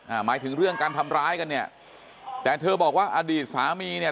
หมายถึงเรื่องการทำร้ายกันเนี่ยแต่เธอบอกว่าอดีตสามีเนี่ย